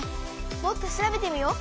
もっと調べてみよう！